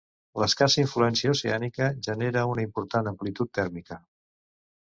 L'escassa influència oceànica genera una important amplitud tèrmica.